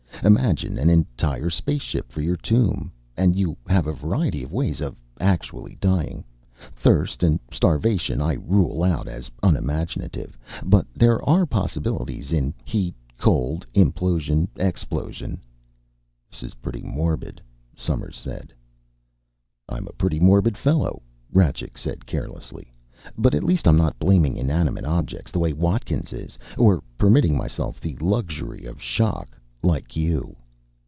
Imagine an entire spaceship for your tomb! And you have a variety of ways of actually dying. Thirst and starvation I rule out as unimaginative. But there are possibilities in heat, cold, implosion, explosion " "This is pretty morbid," Somers said. "I'm a pretty morbid fellow," Rajcik said carelessly. "But at least I'm not blaming inanimate objects, the way Watkins is. Or permitting myself the luxury of shock, like you."